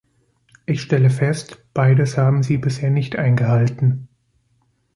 Ich stelle fest, beides haben sie bisher nicht eingehalten.